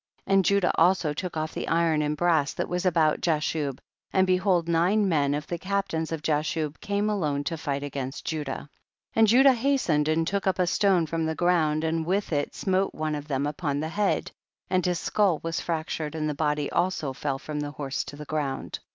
44. And Judah also took off the iron and brass tliat was about Jashub, and behold nine men of the captains of Jashub came alone to fight against Judah. 45. And Judah hastened and took up a stone from the ground, and with it smote ofie of them upon the head, and his skull was fractured, and the body also fell from the horse to the ground.